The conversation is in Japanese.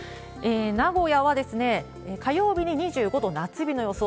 名古屋は火曜日に２５度、夏日の予想。